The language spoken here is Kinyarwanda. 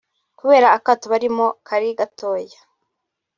kubera akato barimo kari gatoya